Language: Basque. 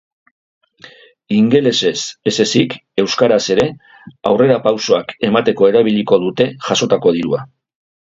Ingelesez ez ezik euskaraz ere aurrera pausoak emateko erabiliko dute jasotako dirua.